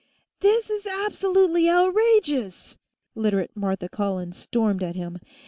"This is absolutely outrageous!" Literate Martha Collins stormed at him.